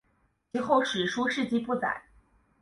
其后史书事迹不载。